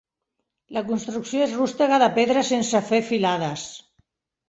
La construcció és rústega de pedres sense fer filades.